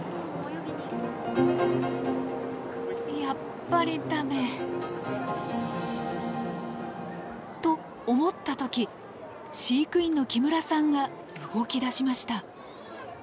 やっぱり駄目？と思った時飼育員の木村さんが動きだしました。